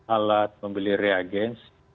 alat membeli reagens